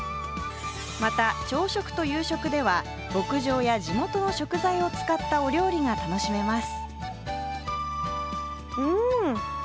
また朝食と夕食では、牧場や地元の食材を使ったお料理が楽しめます。